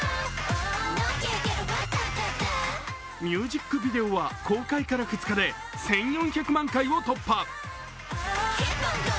ミュージックビデオは公開から２日で１４００万回を突破。